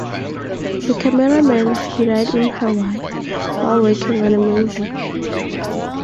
A cameraman, he died in Hawaii, while working on a movie.